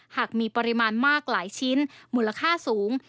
หากมีปริมาณมากหลายชิ้นมูลค่าสูง